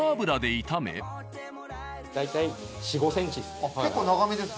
大体４５ｃｍです。